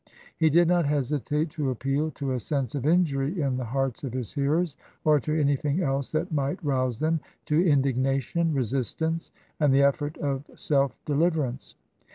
He did not hesitate to appeal to a sense of injury in the hearts of his hearers, or to anything else that might rouse them to indignation, resistance, and the effort of self deliverance.